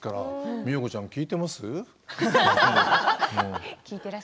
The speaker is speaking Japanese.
美代子ちゃん、聞いてます？